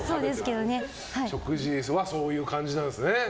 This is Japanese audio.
食事はそういう感じなんですね。